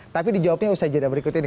tapi dijawabnya usai jadwal berikut ini